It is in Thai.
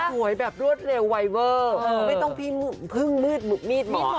แบบรวดเร็วไวเวอร์ไม่ต้องพึ่งมืดมิด